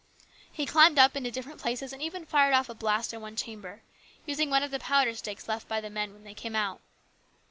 He climbed up into difficult places and even fired off a blast in one chamber, using one of the powder sticks left by the men when they came out.